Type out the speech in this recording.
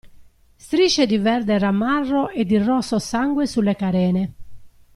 Strisce di verde ramarro e di rosso sangue sulle carene.